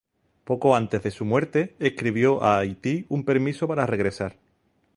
Poco antes de su muerte, escribió a Haití un permiso para regresar.